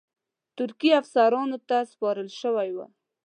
ترکي افسرانو ته سپارل شوی وای.